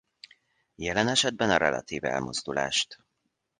Jelen esetben a relatív elmozdulást.